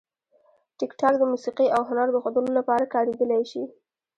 ټیکټاک د موسیقي او هنر د ښودلو لپاره کارېدلی شي.